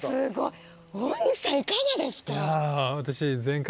大西さんいかがですか？